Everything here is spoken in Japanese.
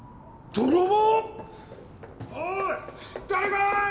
泥棒？